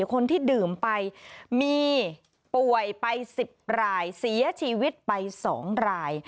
คนที่ดื่มไปมีป่วยไป๑๐รายเสียชีวิตไป๒ราย